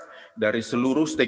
masa pertama saya berdi przebatasan